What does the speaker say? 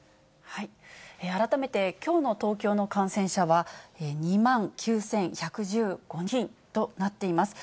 改めてきょうの東京の感染者は、２万９１１５人となっています。